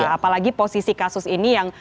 apalagi posisi kasus ini yang